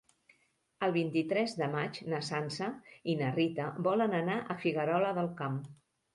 El vint-i-tres de maig na Sança i na Rita volen anar a Figuerola del Camp.